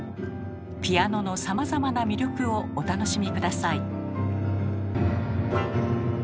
ピアノのさまざまな魅力をお楽しみ下さい。